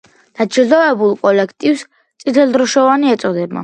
დაჯილდოებულ კოლექტივს „წითელდროშოვანი“ ეწოდება.